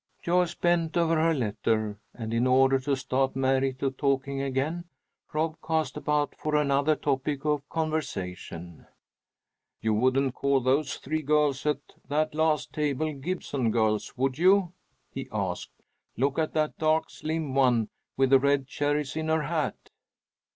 Joyce bent over her letter, and in order to start Mary to talking again, Rob cast about for another topic of conversation. "You wouldn't call those three girls at that last table, Gibson girls, would you?" he asked. "Look at that dark slim one with the red cherries in her hat."